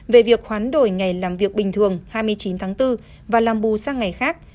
về việc hoán đổi ngày làm việc bình thường hai mươi chín tháng bốn và làm bù sang ngày khác